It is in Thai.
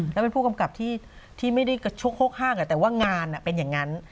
แล้วเป็นผู้กำกับที่ไม่ได้กระชกโฮกห้างแต่ว่างานเป็นอย่างนั้น